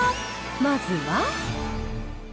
まずは。